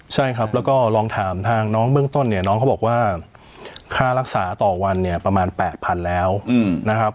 ใช่ครับแล้วก็ลองถามทางน้องเบื้องต้นเนี่ยน้องเขาบอกว่าค่ารักษาต่อวันเนี่ยประมาณ๘๐๐๐แล้วนะครับ